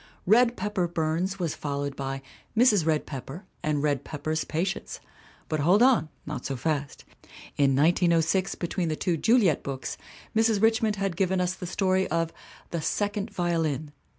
Red Pepper Burns was followed by Mrs. Red Pepper and Red Pepper's Patients. But hold on not so fast. In 1906, between the two Juliet books, Mrs. Richmond had given us the story of The Second Violin.